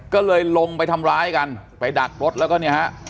ก็เลยลงไปทำร้ายกันไปดักรถแล้วก็เนี่ยฮะ